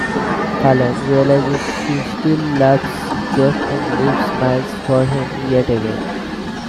Fallon realizes she still loves Jeff and leaves Miles for him yet again.